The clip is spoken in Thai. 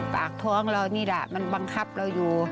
ปากท้องเรานี่แหละมันบังคับเราอยู่